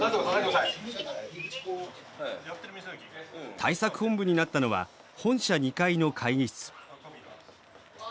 対策本部になったのは本社２階の会議室。